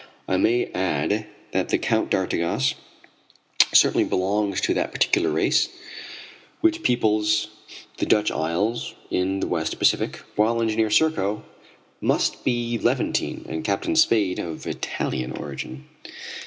I may add that the Count d'Artigas certainly belongs to that particular race which peoples the Dutch isles in the West Pacific, while Engineer Serko must be Levantine and Captain Spade of Italian origin.